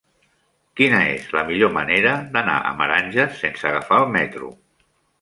Quina és la millor manera d'anar a Meranges sense agafar el metro?